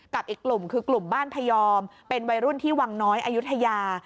อีกกลุ่มคือกลุ่มบ้านพยอมเป็นวัยรุ่นที่วังน้อยอายุทยา